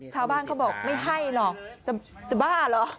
ชาวบ้านเขาบอกไม่ให้หรอกจะบ้าเหรอ